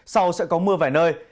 sau sẽ có mưa vải nơi